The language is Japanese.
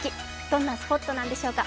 どんなスポットなんでしょうか。